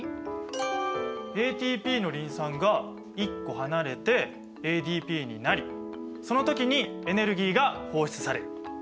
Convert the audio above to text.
ＡＴＰのリン酸が１個離れてＡＤＰになりその時にエネルギーが放出される。